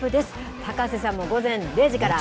高瀬さんも午前０時から。